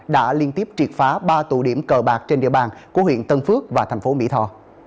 đã liên tiếp triệt phá ba tụ điểm cờ bạc trên địa bàn của huyện tân phước và thành phố mỹ tho